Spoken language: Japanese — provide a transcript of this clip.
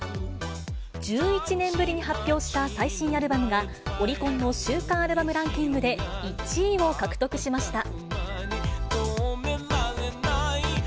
１１年ぶりに発表した最新アルバムが、オリコンの週間アルバムランキングで１位を獲得しました。